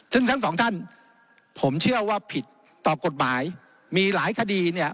ซึ่งทั้งสองท่านผมเชื่อว่าผิดต่อกฎหมายมีหลายคดีเนี่ย